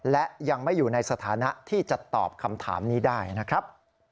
และยังไม่อยู่ในสถานะที่จะตอบคำถามนี้ได้นะครับ